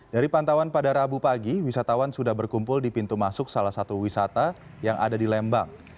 dari pantauan pada rabu pagi wisatawan sudah berkumpul di pintu masuk salah satu wisata yang ada di lembang